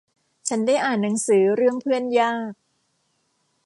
ฉันได้อ่านหนังสือเรื่องเพื่อนยาก